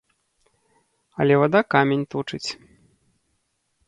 Але вада камень точыць.